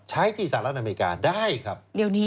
ที่สหรัฐอเมริกาได้ครับ